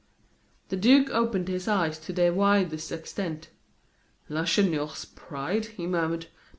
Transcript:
The duke opened his eyes to their widest extent. "Lacheneur's pride!" he murmured.